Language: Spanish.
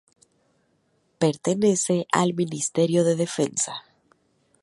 Pertenece al Ministerio de Defensa.